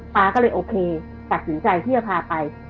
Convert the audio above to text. ป๊าก็เลยโอเคตัดสินใจที่จะพาไป